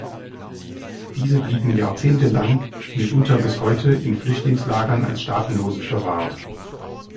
Diese blieben jahrzehntelang, mitunter bis heute in Flüchtlingslagern als Staatenlose verwahrt.